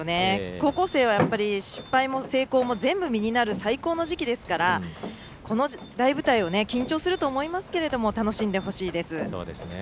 高校生は失敗も成功も全部実になる最高の時期ですからこの大舞台を緊張すると思いますけれども楽しんでほしいです。